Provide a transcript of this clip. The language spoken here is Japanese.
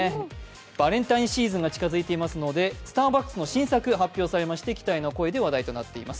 バレンタインシーズンが近づいてきていますのでスターバックスの新作が発表されまして期待の声で話題となっています。